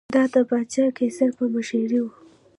دا د پاچا قیصر په مشرۍ و